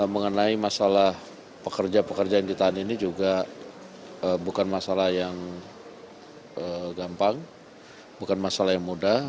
mengenai masalah pekerja pekerja yang ditahan ini juga bukan masalah yang gampang bukan masalah yang mudah